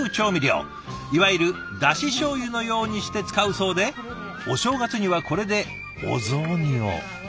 いわゆるだししょうゆのようにして使うそうでお正月にはこれでお雑煮を。